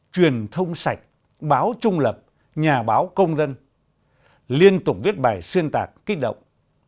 truyền thông sạch báo trung lập nhà báo công dân liên tục viết bài xuyên tạc kích động